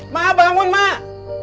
mak bangun mak